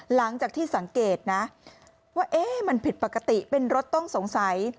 หลังจากที่สังเกตนะว่ามันผิดปกติเป็นรถต้องสงสัย